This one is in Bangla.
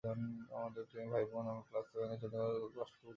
আমরা দুটি ভাইবোন, আমি ক্লাস সেভেনে, ছোটটি সবে ক্লাস টুতে পড়ে।